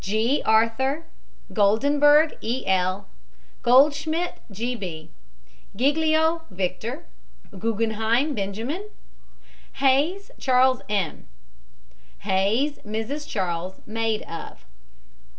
GEE, ARTHUR. GOLDENBERG, E. L. GOLDSCHMIDT, G. B. GIGLIO, VICTOR. GUGGENHEIM, BENJAMIN. HAYS, CHARLES M. HAYS, MRS. CHARLES, maid of.